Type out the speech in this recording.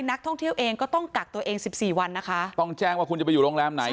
นักท่องเที่ยวเองก็ต้องกักตัวเองสิบสี่วันนะคะต้องแจ้งว่าคุณจะไปอยู่โรงแรมไหน